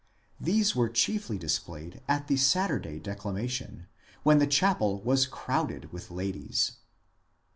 These were chiefly displayed at the Saturday declamation, when the chapel was crowded with ladies.